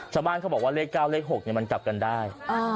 ชาวบ้านเขาบอกว่าเลข๙เลข๖มันกลับกันได้